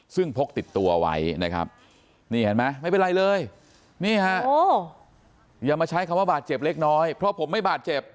ซึ่งพกติดตัวไว้นะครับนี่เห็นไหมไม่เป็นไรเลยนี่ฮะอย่ามาใช้คำว่าบาดเจ็บเล็กน้อยเพราะผมไม่บาดเจ็บ